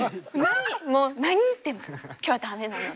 もう何言っても今日はダメなので。